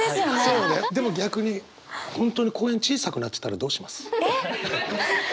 でも逆に本当に公園小さくなってたらどうします？えっ。